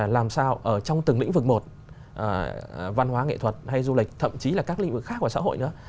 làm sao ở trong từng lĩnh vực một văn hóa nghệ thuật hay du lịch thậm chí là các lĩnh vực khác của xã hội nữa